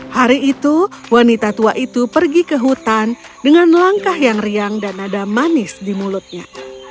hari itu wanita tua itu pergi ke hutan dengan langkah yang riang dan nada manis di mulutnya